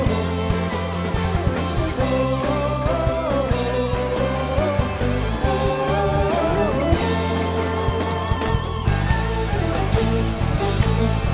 untuk kekayaan anda di hatimu